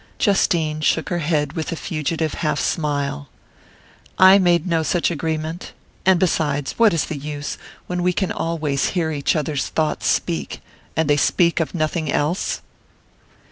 Justine shook her head with a fugitive half smile. "I made no such agreement. And besides, what is the use, when we can always hear each other's thoughts speak, and they speak of nothing else?"